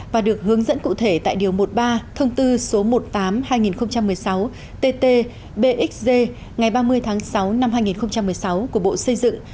và được hướng dẫn cụ thể tại điều một mươi ba thông tư số một mươi tám hai nghìn một mươi sáu tt bxg ngày ba mươi tháng sáu năm hai nghìn một mươi sáu của bộ xây dựng